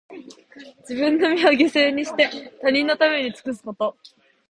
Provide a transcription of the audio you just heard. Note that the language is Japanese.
自分の身を犠牲にして、他人のために尽くすこと。